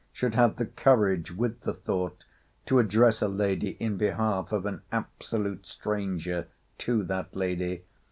—Should have the courage with the thought, to address a lady in behalf of an absolute stranger to that lady!